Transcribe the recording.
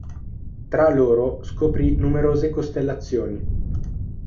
Tra loro scoprì numerose costellazioni.